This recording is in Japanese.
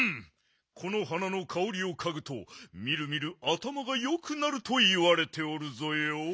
この花のかおりをかぐとみるみるあたまがよくなるといわれておるぞよ。